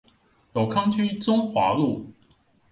永康區中華路